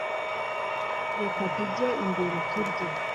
reka tujye imbere turye